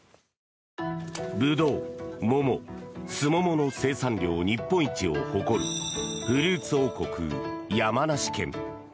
ブドウ、桃、スモモの生産量日本一を誇るフルーツ王国、山梨県。